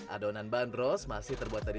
adonan bandros masih terbuat dari